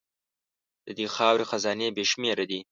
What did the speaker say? د دې خاورې خزانې بې شمېره دي.